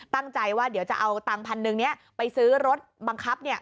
ตั้งใจว่าเดี๋ยวจะเอาตังค์พันหนึ่งนี้ไปซื้อรถบังคับเนี่ย